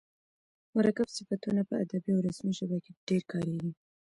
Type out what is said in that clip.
مرکب صفتونه په ادبي او رسمي ژبه کښي ډېر کاریږي.